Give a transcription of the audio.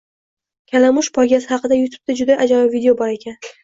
Kalamush poygasi haqida youtubeda juda ajoyib video bor ekan